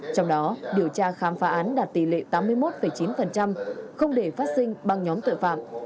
trong đó điều tra khám phá án đạt tỷ lệ tám mươi một chín không để phát sinh băng nhóm tội phạm